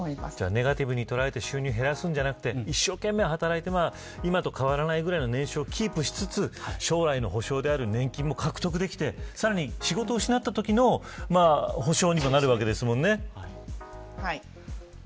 ネガティブに捉えて収入を減らすより一生懸命働いて今と変わらない年収をキープしつつ将来の年金も獲得できて仕事を失ったときの保障にもなるわけですもんね。